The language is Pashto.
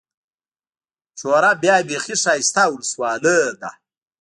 چوره بيا بېخي ښايسته اولسوالي ده.